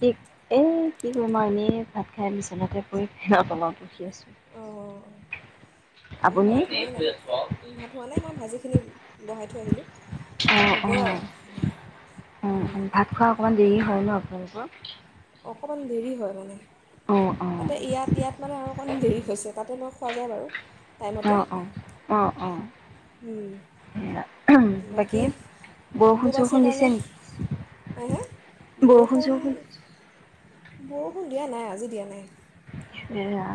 কি এ। কি কৰিম আৰু এনেই ভাত খাই, বিচনাত পৰি ফেনৰ তলত ৰখি। অঁ আমাৰো আপুনি? ভাত হোৱাই নাই, ভাত হোৱা নাই মই ভাজিখিনি। বহাই থৈ আহিলোঁ। অ অ হ'বই আৰু অ, ভাত খোৱা অকণমান দেৰি। হ'য় ন আপোলোকৰ। অকমান দেৰি হ'য় মানে। অঁ অঁ তাতে ইয়াত ইয়াত মানে আৰু অকণমান দেৰি হৈছে তাতে ন। পোৱা যায় বাৰু। অঁ অঁ অঁ অঁ। উম সেয়া বাকী বৰষুণ অম্বুবাচী চৰষুণ দিছে কাৰণে? নেকি? বৰষুণ চৰষুণ বৰষুণ দিয়া নাই, আজি দিয়া নাই। এয়াহ।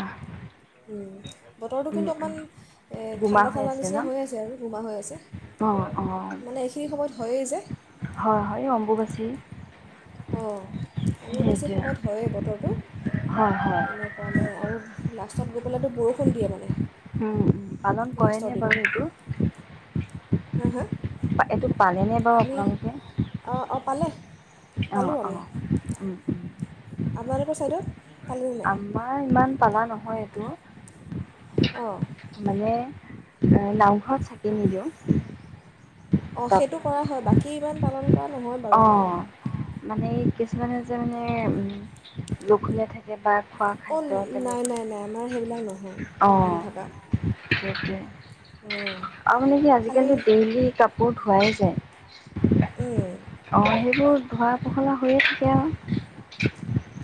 উম! বতৰটো কিন্তু অকণমান এ বোমা ঠাণ্ডা হৈ ঠাণ্ডা আছে নিচিনা ন? হৈ আছে আৰু, বোমা হৈ আছে, অঁ অঁ মানে এইখিনি সময়ত হয়েই যে। হয়! হয়! অম্বুবাচিৰ। অ'! অম্বুবাচী সময়ত হয়েই বতৰটো, হয় হয় এনেকুৱা মানে আৰু লাষ্ট পিছত গৈপেলাইটো বৰষুণ দিয়ে মানে। উম! উম! পালন কৰে লাষ্টৰ নে দিনা বাৰু সেইটো। হা! হা! পা এইটো পালেনে বাৰু আমি অঁ আপোনালোকে? অঁ পালে। পালোঁ অ'! আমি অ'! উম'! উম'! আপোনালোকৰ ছাইডত? পালেনে নাই আমাৰ ইমান পালা ন? হয়, অঁ এইটো। মানে নামঘৰত চাকি নিদিওঁ অঁ সেইটো কৰা হয় বাকী ইমান পালন কৰা নহয় বাৰু অ আমাৰো মানে কি কিছুমানে যে মানে লঘণীয়া থাকে বা খোৱা অঁ খাদ্য নাই তেনেক নাই নাই আমাৰ সেইবিলাক নহয় অ লঘোণ থকা সেইটোয়ে অঁ আৰু মানে কি খালী আজিকালিটো ডেইল কাপ ধোৱাই যায় উম অ সেইবোৰ ধোৱা পখলা হৈয়ে থাকে আৰু আৰু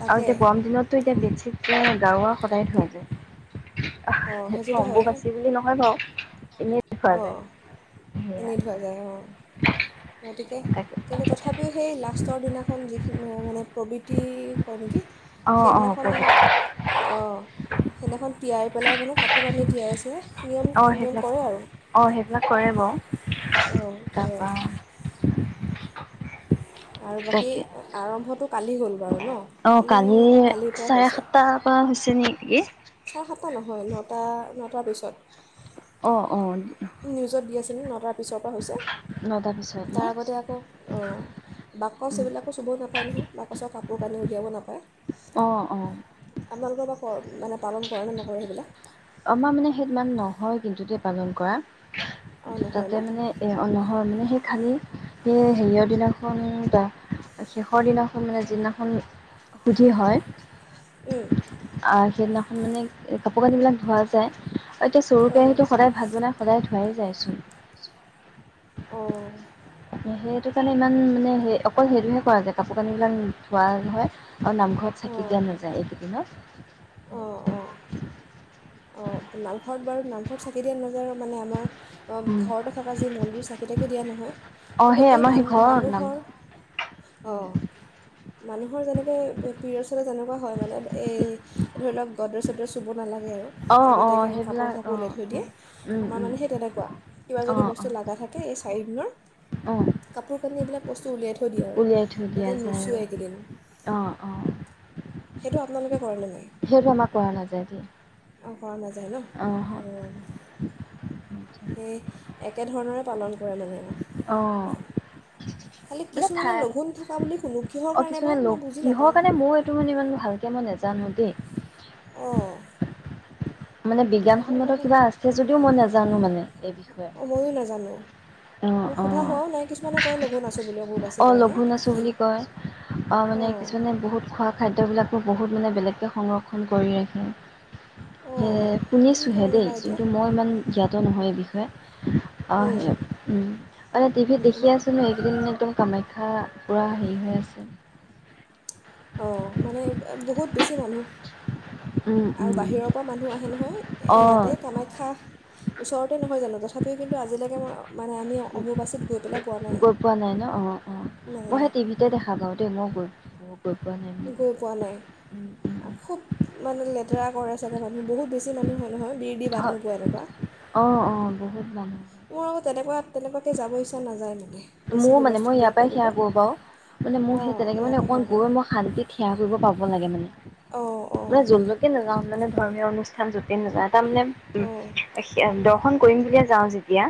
তাকে গৰম দিনততো এতিয়া বেছি এ গাঁৱৰ সদায় থয় যে অঁ সেইটো সেইটোতো অম্বু হয়েই বাচি বুলি নহয় বাৰু এনেই ধোৱা অঁ যায় সেয়া এনেই ধোৱা যায় অঁ গতিকে তাকে কিন্তু তথাপিও সেই লাষ্টৰ দিনাখন যিখিনি মানে প্ৰবৃত্তি হয় নেকি অঁ অঁ সেইদিনাখন সেইনাখন তিয়াই পেলাই মানে কাপোৰ কানি তিয়াইছে। নিয়ম অঁ নিয়ম সেইবিলাক কৰে আৰু। অঁ সেইবিলাক কৰে অঁ বাৰু কৰে তাৰপৰা। উ আৰু বাকী আৰম্ভটো কালি হ'ল বাৰু ন কালি অ কালিৰ পৰাই চাৰে হৈছে সাতটা পৰা হৈছে নেকি? চাৰে সাতটা নহয় নটা তাৰ পিছত। অ অ। নিউজত দি আছিল নটাত। অফিচৰ পৰা হৈছে নটা পিছত ন? তাৰ আগতে আকৌ অ বাকচ এইবিলাকো চুব নাপায় নহয়। বাকছৰ কাপোৰ কানি উলিয়াব নাপায়। অ অ। আপোনালোকৰ বা পৰ মানে পালন কৰে নে নকৰে সেইবিলাক। আমাৰ মানে সেই ইমান নহয় কিন্তুতে পালন কৰা। অঁ নহয় ন তাতে মানে এ অ নহৰ মানে সেই খালি এ হেৰিয়ৰ দিনাখন বা শেষৰ দিনাখন মানে যিদিনাখন সুধি হয়। হয়। সেইদিনাখন মানে কাপোৰ কানিবিলাক ধোৱা যায়। এতিয়া চৰু- কেৰাহীটো সদায় ভাত বনাই সদায় ধোৱাই যাইচোন। অহ সেইটো কাৰণে ইমান মানে সেই অকল সেইটোহে কৰা যায় কাপোৰ -কানি বিলাক ধোৱা হয়। অহ, নামঘৰত চাকি অঁ দিয়া নাযায় এইকেইদিনত অঁ অঁ সেইটোৱে। ঘৰত চাকি দিয়া নাযায় আৰু। মানে আমাৰ উম ঘৰতে থাকা যি মন্দিৰ চাকি- তাকি দিয়া নহয়। অ, কিন্তু সেই এই আমাৰ মান সেই ঘৰৰ নাম। মানুহৰ উম অঁ মানুহৰ যেনেকে পিৰিয়ডচ হলে যেনেকুৱা হয় মানে এই ধৰি লওক গদ্ৰেচ -চদ্ৰেচ চদৰ চুব নালাগে আৰু অ অ আগতীয়াকে কাপোৰ- সেইবিলাক অ চাপোৰ অ ওলাই থৈ দিয়ে উম আমাৰ উম মানে সেই তেনেকুৱা কিবা অ যদি অ বস্তু লাগা থাকে এই চাৰিদিনৰ অ কাপোৰ- কানিবিলাক [unintelligible] উলিয়াই থৈ দিয়া যায় আৰু অহ - অহ। সেইটো আপোনালোকে কৰেনে সেইটো আমাৰ কৰা নাযাই দে। অ' কৰা নাযায়। যায় ন'? সেই একেধৰণৰে পালন কৰে মানে। অ'! হয় খালি মানে কিছুমানে ঠাই লঘোণ থকা বুলি শুনো কিহৰ অ'! কাৰণে বা কিছুমানে মই লগ, বুজি কিহৰ নাপাওঁ কাৰণে, মইয়ো এইটো মানে, ইমান ভালকে মই নাজানো দেই। অ'! মানে, বিজ্ঞানসন্মত কিবা আছে যদিও মই নাজানো মানে এই বিষয়ে। অঁ ময়ো নাজানো অ সোধা অ হোৱাও নাই! কিছুমানে কয় লঘোণ আছোঁ বুলি। অম্বুবাচীৰ অ'! কাৰণে লঘোণ আছো কি বুলি কয়, অ'! মানে, অঁ ‌কিছুমানে বহুত খোৱা খাদ্যবিলাক মোৰ বহুত মানে, বেলেগকৈ সংৰক্ষণ কৰি ৰাখে। সে, অঁ কি শুনিছোঁহে কাৰণে দেই। বা এতিয়া কিন্তু, মই ইমান জ্ঞাত নহয়। বিষয়ে অ'! উম, সেই, উম! টিভিত উম, দেখি উম। আছোঁ ন' এইকেইদিন মানে, একদম ঘা পুৰা হেৰি হৈ আছে। অ'! মানে, বহুত বেছি মানুহ উম আৰু উম বাহিৰৰ পৰা মানুহ আহে নহয়। অঁ ইয়াতে কামাখ্যা ওছৰত। তে নহয় জানো তথাপিও কিন্তু আজিলৈকে মই মানে আমি অম্বুবাচীৰ গৈ পেলাই পোৱা নাই। গৈ পোৱা নাই ন অঁ অঁ নাই নাই। অঁ! গৈ পোৱা নাই উম খুব। মানে লেতেৰা কৰে চাগে মানুহ বহুত বেছি মানুহ হয় নহয়। বিৰ দি বাট নোপোৱা এনেকুৱা অঁ অঁ বহু যাম মোৰ আকৌ তেনেকুৱা তেনেকুৱাকৈ যাব ইচ্ছা নাযায় ম- মোৰও মানে মই ইয়াৰ পৰাই সেৱা কৰো বাৰু। মানে মোৰ সেই অঁ তেনেকে ইয়াৰ মানে পৰা সেৱা অকণমান কৰিম গৈ মই শান্তিত সেৱা কৰিব পাব লাগে। মানে অঁ অঁ মানে যলৈকে নাযাওঁ মানে ধৰ্মীয় অনুষ্ঠান।। যতে নাজাঁও তাৰমানে অঁ উ দৰ্শন কৰিম দে যাওঁ যেতিয়া।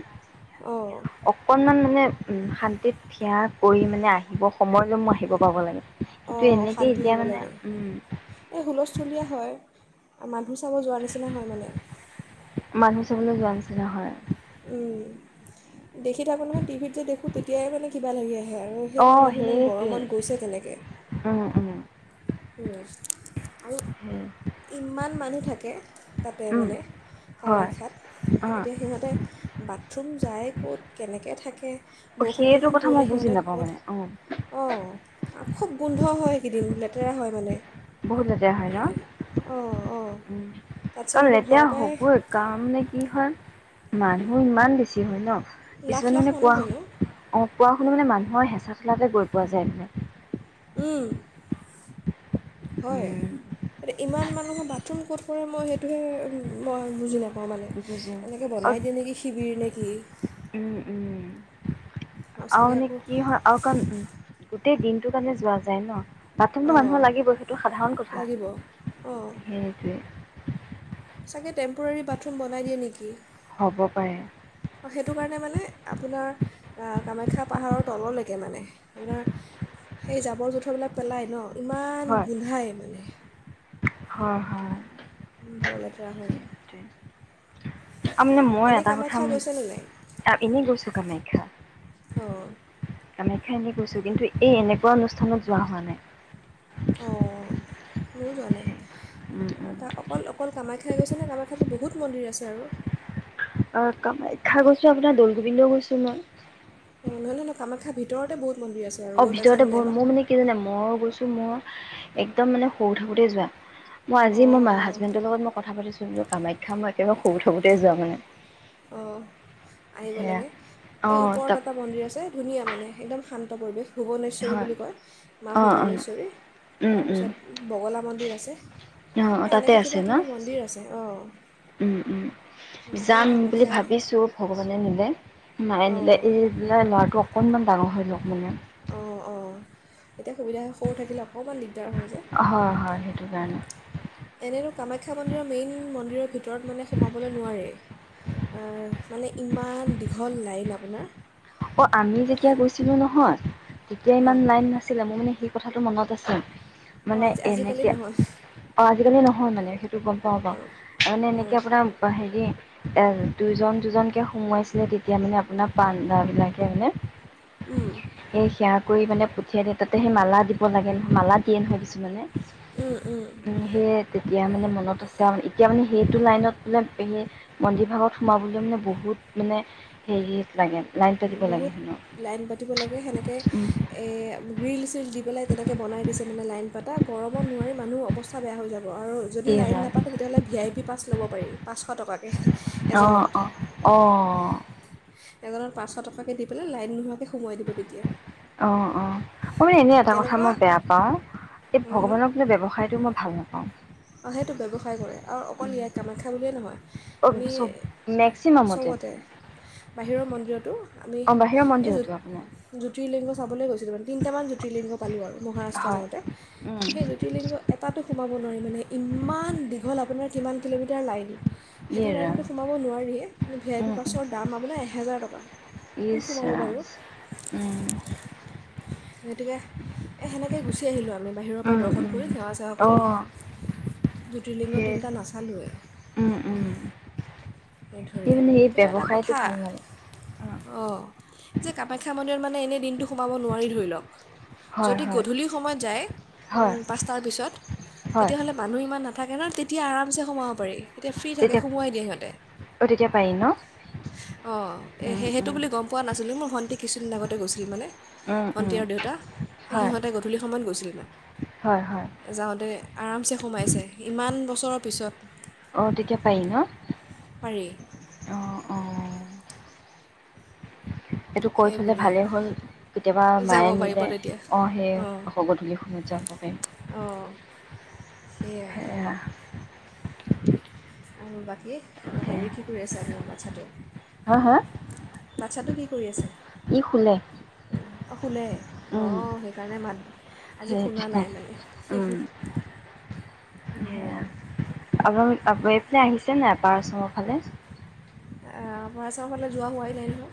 অঁ অকনমান। মানে। শান্তিত থিয়া কৰি মানে আহিব সময় জন্মু আহিব পাব লাগে কিন্তু অঁ এনেকে অশান্তি এতিয়া হ'ব মানে লাগে উম আমাৰ সো চাব যোৱাৰ নিচিনা হয় মানে। মানুহ চাবলৈ যোৱা নিচিনা হয়। উম, দেখি থাকো নহয় টিভিত যে দেখো তেতিয়াই মানে কিবা লাগে। সে আৰু সেইবিলাক অ' মানুহ ইমান সেইটোৱে গৰমত গৈছে কেনেকে। উম উম উম আৰু উম। ইমান মানুহ থাকে। তাতে উম মানে হয় কামাখ্যাত, এতিয়া অ' সিহঁতে বাট থৰুম যায় ক'ত, কেনেকে থাকে? বৰষুণ সেইটো বৰষুণ কথা মই পৰিলে বুজি সিহঁতে নাপাওঁ ক'ত মানে অ' অ খুব গোন্ধ হয় সেইকেইদিন লেতেৰা হয় মানে। বহুত লেতেৰা হয় অঁ অঁ ন। উম, তাতছে কাৰণ বোলো লেতেৰা ঘৰৰ পৰাই হবই কাম নে কি হয়? মানুহ ইমান বেছি হয় ন। লাখ কিছুমানে লাখ মানে মানুহ কোৱা, হয় ন? অ কোৱা শুনো মানে মানুহৰ হেঁচা ঠেলাতে গৈ কোৱা যায় মানে। উম। হয় উম। এতিয়া ইমান মানুহৰ বাথৰুম ক'ত পৰে মই মই বুজি নাপাওঁ মানে বুজি এনেকৈ আৰু বনাই দিয়ে নেকি শিবিৰ নেকি উম উম আৰু আৰুচাগৈ মানে আকৌ কি হয় আৰু কাৰণ গোটেই দিনটো কাৰণে যোৱা যায় ন প্ৰথমটো অঁ মানুহৰ লাগিব সেইটো সাধাৰণ লাগিব অঁ কথা সেইটোৱে চাগে টেম্প'ৰাৰী বাথৰৰুম বনাই দিয়ে নেকি হ'ব পাৰে সেইটো কাৰণে মানে আপোনাৰ কামাখ্যা পাহাৰৰ তললৈকে মানে আপোনাৰ সেই জাবৰ জোঁথৰবিলাক পেলায় ন ইমান হয় গোন্ধাই মানে। হয় হয় ব লেটৰা হয় ত মানে মই এনেই এটা কথা কামাখ্যা গৈছেনে নাই এনেই গৈছো কামাখ্যা অঁ আমি খিনি কৈছো কিন্তু এই এনেক এনেকুৱা অনুষ্ঠানত যোৱা হোৱা নাই ম জাই উম উম অকল অকল কামাখ্যাই খাই গৈছেনে কামাখ্যাতো বহুত মন্দিৰ আছে আৰু অঁ কামাখ্যা গৈছো আপোনাৰ দৌল গোবিন্দওঁ গৈছো মই অঁ নহয় নহয় কামাখ্যাই ভিতৰতে বহুত মন্দিৰ আছে আৰু অ গৈ ভিতৰতে পাইছেনে ব নাইবা মোৰ মানে কি জানে মই গৈছো মই। একদম মানে সৰু থাকোঁতেই যোৱা। মই আজি মোৰ অঁ মা অঁ হাজবেণ্ডৰ লগত মই কথাাছোঁ। কি কামাখ্যা মই একেবাৰে শুব থাকোতেই যোৱা মই। অ আহিব লাগে এই অ', ওপৰত তাক এটা মন্দিৰ আছে ধুনীয়া মানে একদম শান। ত পৰিৱেশ। ভূুৱৱনেশ্বৰী হয় বুলি কয় মা অ', অ'। ভূৱনেশ্বৰী উম, উম, তাৰপিছত বগলা মন্দিৰ আছে। অ', অ এই তাতে এনেকে কিবা আছে ন? কিবি মন্দিৰ আছে অ উম, উম, অকল। যাম বুলি কামাখ্যাই নাই। ভাবিছোঁ ভগৱানে নিলে। নাইনিলে অঁ এইবিলাক লৰাটো এক। অকণমান ডাঙৰ হৈ লওক মানে। অঁ অঁ এতিয়া সুবিধা সৰু থাকিলে। অকণমান দিগদাৰ হয় যে হয় -হয় সেইটো কাৰণে। এনেতো কামাখ্যা মন্দিৰৰ মেইন মন্দিৰৰ ভিতৰত মানে সোমাবলৈ নোৱাৰি মানে ইমান দীঘল লাইন আপোনাৰ। অ আমি যেতিয়া গৈছিলো নহয় তেতিয়া ইমান অঁ লাইন নাছিলে মোৰ মানে শ। কথাটো মনত আছে। অঁ মানে আজি আজিকালি এনেকে। নহয় আজিকালি নহয় মানে টো গম পাও বাও অঁ মানে এনেকৈ অঁ আপোনাৰ হেৰি এ দুইজন দুজনকে সোমোৱাইছিলে তেতিয়া মানে আপোনাৰ পা নাকে মানে উম, এ সেয়া কৰি মানে পঠিয়াই দিয়ে তাতে সেই মালা দিব লাগে মালা দিয়ে নহয় কিছুমানে উম উম তেতিয়া মানে মনত আছে আৰু এতিয়া মানে সেইটো লাইনত বোলে সেই মন্দিৰভাগত সোমাবলৈ মানে বহুত মানে হেৰি লাগে লাইন পাতিব লাগে বহুত হেনো লাইন পাতিব লাগে সেনেকে উম, এ গ্ৰীলছ দি পেলাই তেনেকে বনাই দিছে মানে লাইন পা গৰমত নোৱাৰি মানুৰ অৱস্থা বেয়া হৈ যাব আৰু যদি লাইন নাপাতে তেতিয়াহ'লে ভি আই পি পাছ ল'ব পাৰি পাঁচশ টকাকৈ অ এজনত অ অ এজনত পাঁচশ টাকাকে দি পেলাই লাইন নোহোৱাকে অ অ মই মানে এনে এটা কথা মই বেয়া কেনেকুৱা পাও এই ভগৱানক বোলে ব্যৱসায়টো মই ভাল নাপাওঁ অ সেইটো ব্যৱসায় কৰে আৰু উম অকল ইয় কামাখ্যা বুলিয়ে নহয় অ আমি মেক্সিমামতে চবতে বাহিৰৰ মন্দিৰতো আমি অ', বাহিৰৰ এই জু মন্দিৰতো আপোনাৰ জুতিৰ লেংগুৱেজ চাবলৈ গৈছে যি তিনিটামান জ্যোতিলিংগ পালোঁ আৰু মহাৰাষ্ট্ৰ হয়। যাওঁতে উম, সেই জ্যোতিলিংগ এাটাতো সোমাব নোৱাৰি মানে। ইমান দীঘল আপোনাৰ কিমান। Kilometre line. সেইটো ইয়ে ৰাম লাইনতো সোমাব নোৱাৰি ভি আই পি উম, উম, পাছৰ দাম আপোনাৰ এহেজাৰ টকা। কোন ইচ সোমাব ৰাম বাৰু? উম, গতিকে এ সেনেকেই গুচি আহিলোঁ আমি বাহিৰৰ পৰাই উম, দৰ্শন উম। কৰি সেৱা চেৱা অ', কৰি। জ্যোতিলিংগ সেই তিনটা নাচালোৱে। উম, উম, এই সি ধৰে মানে সেই কিন্তু এটা ব্যৱসায়টো কথা। ভাল নালাগে। অ যে কামাখ্যা মন্দিৰত মানে এনেই দিনটো সোমাব নোৱাৰি ধৰি লওক। হয়, যদি হয়, গধূলি সময়ত যায় হয়, পাঁচটাৰ পিছত হয়, তেতিয়াহ'লে মানুহ ইমান না থাকে ন তেতিয়া আৰামচে সোমাব পাৰি এতিয়া ফ্ৰী থাকে তেতিয়া সোমোৱাই দিয়ে সিহঁতে। অ', তেতিয়া পাৰি ন? অ উম, সে সেইটো উম, বুলি গম পোৱা নাছিলোঁ মোৰ ভন্টি কিছুদিন আগতে গৈছিল মানে উম, ভণ্টি উম, আৰু দেউতা হয়, সিহঁতে গধূলি সময়ত গৈছিল মানে হয়, হয়, যাওঁতে আৰামছে সোমাইছে ইমান ব বছৰৰ পিছত। অ তেতিয়া পাৰি ন? পাৰি অ', অ'। এইটো কৈ সেই থলে বুলিয়ে ভালেই হ'ল কেতিয়াবা আৰু যাব মায়ে পাৰিব নিলে তেতিয়া অ অঁ সেই গধূলি সময়ত যাব পাৰিম অঁ সেয়াই সেয়া [inaudible] আৰু বাকী হেৰি কি কৰি আছে আপোনাৰ বাচ্ছাটো? হা হা বাচ্ছাটো কি কৰি আছে? ই শুলে অঁ শুলে উম অঁ সেইকাৰণে মাত আজি শুনা সেইটোৱে নাই মানে, হি উম হি অঁ আপোনাৰ এইফালে আহিছে নাই আপাৰ আসাম ৰ ফালে, অঁ আপাৰ আসাম ফালে যোৱা হোৱা নাই নহয়?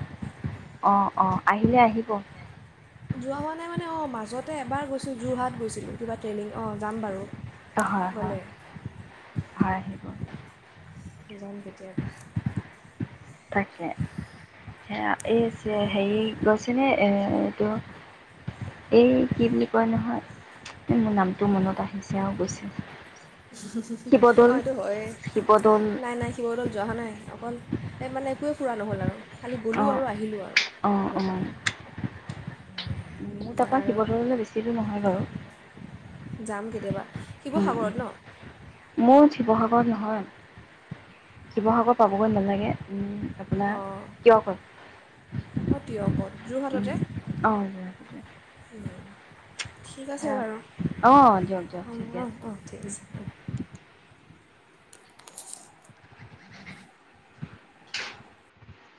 অঁ অঁ আহিলে আহিব যোৱা হোৱা মানে অঁ য'তে এবাৰ গৈছোঁ যোৰহাট গৈছিলোঁ কিবা ট্ৰেইনিং অঁ যাম বাৰু ত হয় হয় আহিব জাম কেতিয়াবা তাকে সে এই অঁ হেৰি গৈছেনে? এই কিয়? এই কি বুলি কয় নহয়, মোৰ নামটো মনত আহিছে আৰু গৈছে। [inaudible] শিৱদৌল অ' এইটো হয়ে শিৱদৌল নাই -নাই শিৱদৌল যোৱা হোৱা নাই। অকল এই মানে একোৱেই ফুৰা নহ'ল আৰু। খালি গ'লো অঁ আৰু আহিলোঁ আৰু অঁ এনেকোৱা। অঁ মোৰ তাৰপা শিৱদৌললৈ বেছি দূৰ নহয় বাৰু। যাম কেতিয়াবা। উম, শিৱসাগৰত ন মোৰ শিৱসাগৰত নহয়। শিৱসাগৰ পাবগৈ নালাগে। আপোনাৰ অহ কিয় কয় -অহ দিয়ক ক'ত যোৰহাটতে? অঁ ঠিক আছে আহ, বাৰু অহ দিয়ক -দিয়ক ঠিকে অঁ অঁ আছে। অঁ ঠিক আছে অঁ